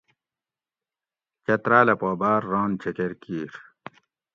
چتراٞلہ پا باٞر ران چکر کِیر